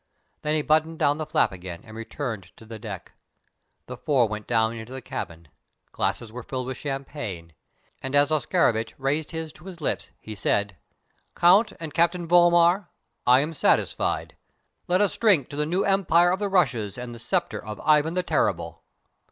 Then he buttoned down the flap again and returned to the deck. The four went down into the cabin: glasses were filled with champagne, and as Oscarovitch raised his to his lips, he said: "Count and Captain Vollmar, I am satisfied. Let us drink to the New Empire of the Russias and the sceptre of Ivan the Terrible!"